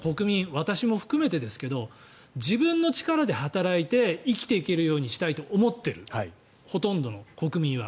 私も含めてですが自分の力で働いて生きていけるようにしたいと思っているほとんどの国民は。